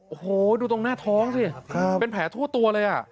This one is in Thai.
โอ้โหดูตรงหน้าท้องสิเป็นแผลทั่วตัวเลย